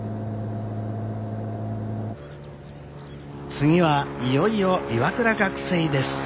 次はいよいよ岩倉学生です。